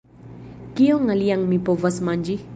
Kion alian mi povas manĝi?